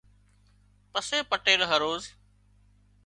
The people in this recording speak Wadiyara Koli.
پسي پٽيل هروز